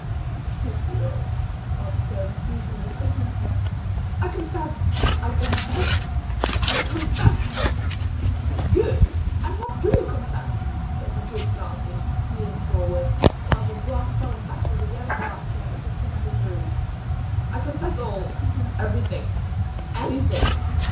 shrieked the earl, while the foam flew from his lips. "I confess! I confess! I confess!" "Good! And what do you confess?" said the duke blandly, leaning forward, while the dwarf fell back with a yell of laughter at the success of his ruse. "I confess all everything anything!